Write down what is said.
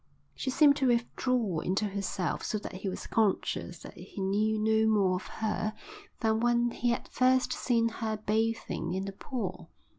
She seemed to withdraw into herself so that he was conscious that he knew no more of her than when he had first seen her bathing in the pool.